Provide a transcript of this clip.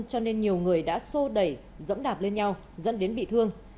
cho nên nhiều người đã sô đẩy dẫm đạp lên nhau dẫn đến bị thương